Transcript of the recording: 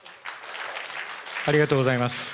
ありがとうございます。